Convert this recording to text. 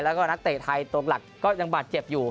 แล้วก็นักเตะไทยตรงหลักก็ยังบาดเจ็บอยู่